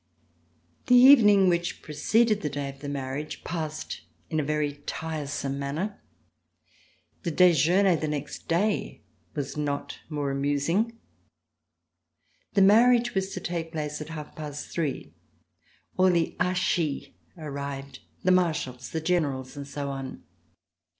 The evening which preceded the day of the marriage passed In a very tiresome manner. The dejeuner the next day was not more amusing. The marriage was to take place at half past three. All the ''archi' arrived: [353 ] RECOLLECTIONS OF THE REVOLUTION the Marshals, the Generals and so on.